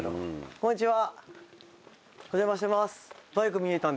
こんにちは。